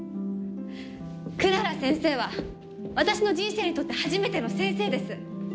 クララ先生は私の人生にとって初めての先生です。